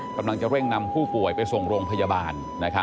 กำลังจะเร่งนำผู้ป่วยไปส่งโรงพยาบาล